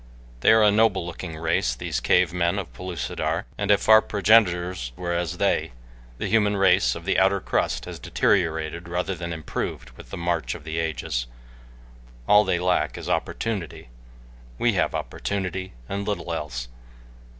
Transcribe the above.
They are a noble looking race, these cave men of Pellucidar, and if our progenitors were as they, the human race of the outer crust has deteriorated rather than improved with the march of the ages. All they lack is opportunity. We have opportunity, and little else.